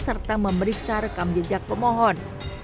serta memeriksa rekam jejak pemohon